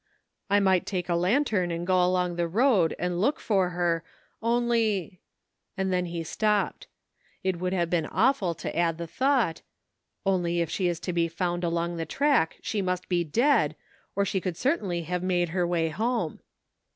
"I might take a lantern and go along the road and look for her, only" — and then he stopped. It would have been awful to add the thought, " only if she is to be found along the track she must be dead, or she could cer tainly have made her way home."